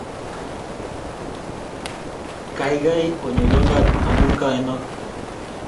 Kaikai onyoywa kat amu kaenok